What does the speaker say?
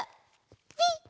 ピッ！